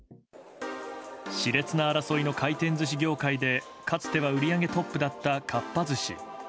熾烈な争いの回転寿司業界でかつては売り上げトップだったかっぱ寿司。